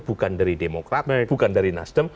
bukan dari demokrat bukan dari nasdem